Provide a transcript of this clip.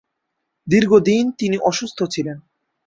দীর্ঘদিন তিনি অসুস্থ ছিলেন।